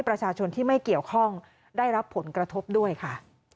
ประชาชนที่ไม่เกี่ยวข้องได้รับผลกระทบด้วยค่ะ